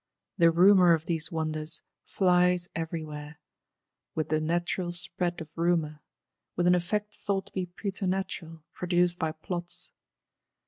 The rumour of these wonders flies every where: with the natural speed of Rumour; with an effect thought to be preternatural, produced by plots.